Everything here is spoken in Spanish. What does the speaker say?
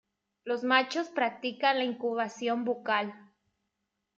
Los machos practican la incubación bucal.